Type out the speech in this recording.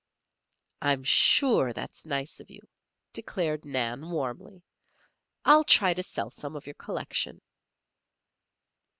"I'm sure that's nice of you," declared Nan, warmly. "I'll try to sell some of your collection."